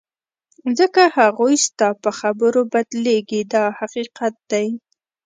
ځکه هغوی ستا په خبرو بدلیږي دا حقیقت دی.